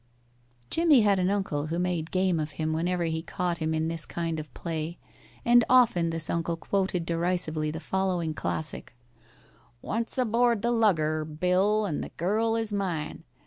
Jimmie had an uncle who made game of him whenever he caught him in this kind of play, and often this uncle quoted derisively the following classic: "Once aboard the lugger, Bill, and the girl is mine.